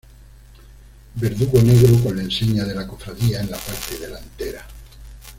Verdugo negro con la enseña de la Cofradía en la parte delantera.